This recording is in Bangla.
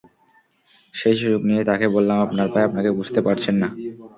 সেই সুযোগ নিয়ে তাকে বললাম, আপনার ভাই আপনাকে বুঝতে পারছেন না।